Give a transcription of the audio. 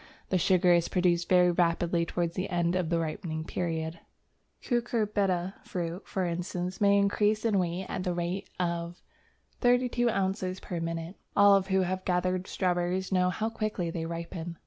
The sugar is produced very rapidly towards the end of the ripening period. A Cucurbita fruit, for instance, may increase in weight at the rate of·0032 ounce per minute. All who have gathered strawberries know how quickly they ripen.